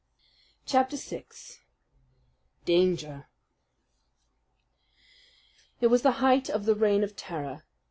Chapter 6 Danger It was the height of the reign of terror.